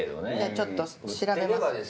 ちょっと調べます